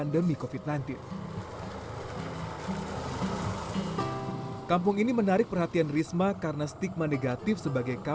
semoga semuanya lebih baik